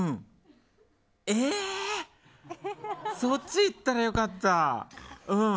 えー、そっち行ったら良かった。